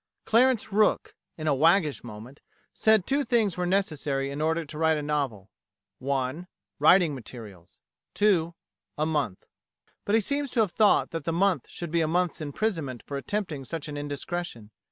Clarence Rook, in a waggish moment, said two things were necessary in order to write a novel: (1) Writing Materials, (2) A Month; but he seems to have thought that the month should be a month's imprisonment for attempting such an indiscretion.